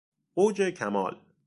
اوج کمال